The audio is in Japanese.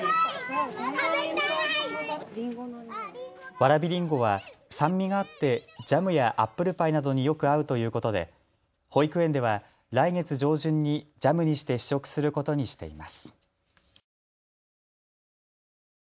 わらびりんごは酸味があってジャムやアップルパイなどによく合うということで保育園では来月上旬にジャムにして試食することにしています。